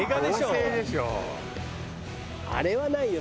あれはないよ